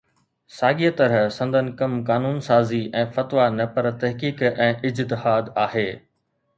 ساڳيءَ طرح سندن ڪم قانون سازي ۽ فتويٰ نه پر تحقيق ۽ اجتهاد آهي